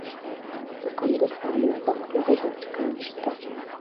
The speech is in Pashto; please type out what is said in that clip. د کندز په علي اباد کې د ګچ کان شته.